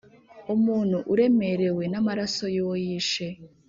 umuntu uremerewe n’amaraso y’uwo yishe